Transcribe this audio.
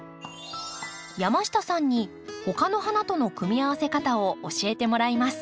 山下さんに他の花との組み合わせ方を教えてもらいます。